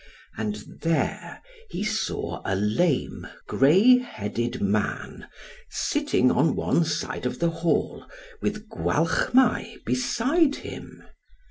And there he saw a lame grey headed man, sitting on one side of the hall, with Gwalchmai beside him.